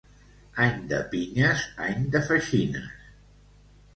Any de pinyes, any de feixines.